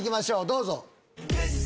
どうぞ。